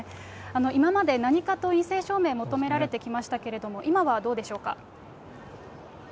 今まで何かと陰性証明、求められてきましたけれども、今はどうでしょうか。